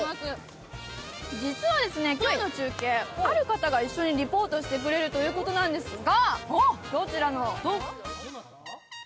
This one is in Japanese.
実は今日の中継、ある方が一緒にリポートしてくれるということなんですが。